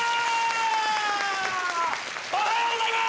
おはようございます！